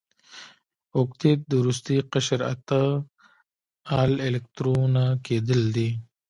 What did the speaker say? اوکتیت د وروستي قشر اته ال الکترونه کیدل دي.